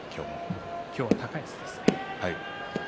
今日は高安ですね。